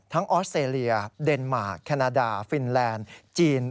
ออสเตรเลียเดนมาร์แคนาดาฟินแลนด์จีน